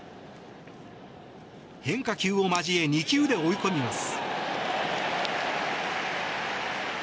変化球を交え２球で追い込みます。